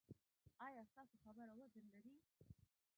ایا ستاسو خبره وزن لري؟